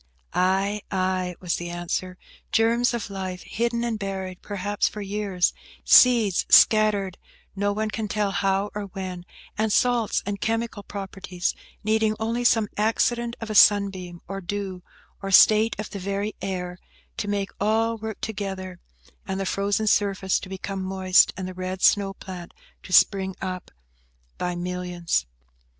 "Ay, ay," was the answer; "germs of life, hidden and buried, perhaps, for years; seeds scattered no one can tell how or when; and salts and chemical properties, needing only some accident of a sunbeam, or dew, or state of the very air, to make all work together, and the frozen surface to become moist, and the red snow plant to spring up by millions."